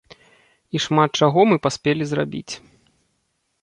І шмат чаго мы паспелі зрабіць.